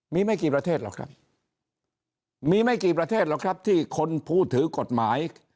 มีไม่กี่ประเทศหรอกครับมีไม่กี่ประเทศหรอกครับที่คนผู้ถือกฎหมาย